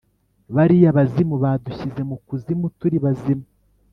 Bariya bazimu badushyire mu kuzimu turi bazima?